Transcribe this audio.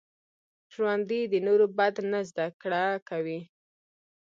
ژوندي د نورو بد نه زده کړه کوي